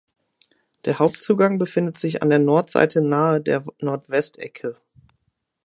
Der Hauptzugang befindet sich an der Nordseite nahe der Nordwestecke.